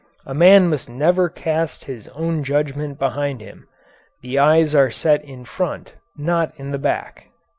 A man must never cast his own judgment behind him; the eyes are set in front, not in the back.'"